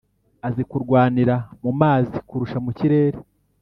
azi kurwanira mu mazi kurusha mu kirere